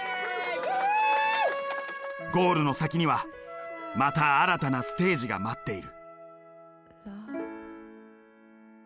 ゴールの先にはまた新たなステージが待っている。